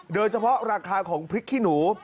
โดยเฉพาะราคาของพริกขี้หนู